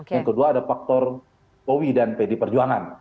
yang kedua ada faktor bowie dan pedi perjuangan